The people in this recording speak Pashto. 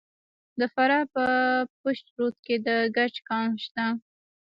د فراه په پشت رود کې د ګچ کان شته.